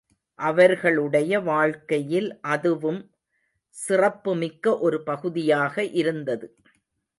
அவர்களுடைய வாழ்க்கையில் அதுவும் சிறப்புமிக்க ஒரு பகுதியாக இருந்தது.